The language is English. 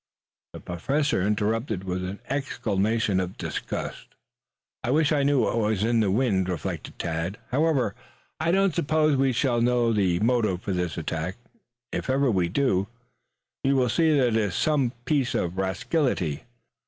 The Professor interrupted with an exclamation of disgust. "I wish I knew what is in the wind," reflected Tad. "However, I don't suppose we shall know the motive for this attack. If ever we do you will see that it is some piece of rascality."